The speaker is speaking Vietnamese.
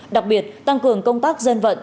đặc biệt tăng cường công tác dân vận